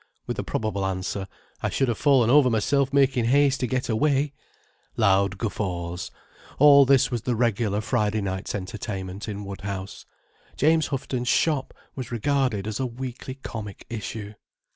—with a probable answer "I should have fallen over myself making haste to get away"—loud guffaws:—all this was the regular Friday night's entertainment in Woodhouse. James Houghton's shop was regarded as a weekly comic issue.